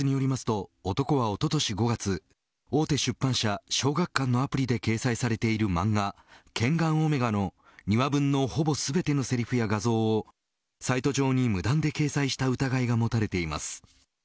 警察によりますと男は、おととし５月大手出版社、小学館のアプリで掲載されている漫画ケンガンオメガの２話分のほぼ全てのセリフや画像をサイト上に無断で掲載した疑いがもたれています。